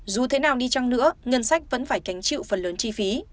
dù thế nào đi chăng nữa ngân sách vẫn phải gánh chịu phần lớn chi phí